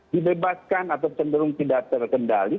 dibebaskan atau cenderung tidak terkendali